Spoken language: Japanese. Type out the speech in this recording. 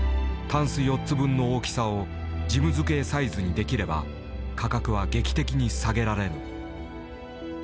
タンス４つ分の大きさを事務机サイズにできれば価格は劇的に下げられる。